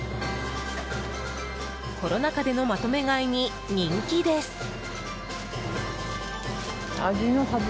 コロナ禍でのまとめ買いに人気です！